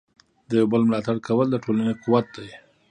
د یو بل ملاتړ کول د ټولنې قوت دی.